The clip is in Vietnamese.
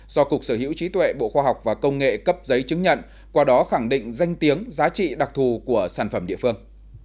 do cục sở hữu trí tuệ bộ khoa học và công nghệ cấp giấy chứng nhận qua đó khẳng định danh tiếng giá trị đặc thù của sản phẩm địa phương